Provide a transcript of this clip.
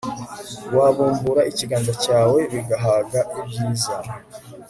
wabumbura ikiganza cyawe, bigahaga ibyiza